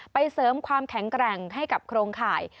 เสริมความแข็งแกร่งให้กับโครงข่าย